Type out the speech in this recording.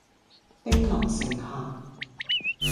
兵臨城下